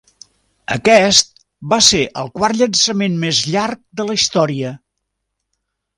Aquest va ser el quart llançament més llarg de la història.